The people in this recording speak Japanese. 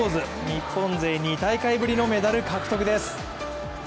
日本勢２大会ぶりのメダル獲得です。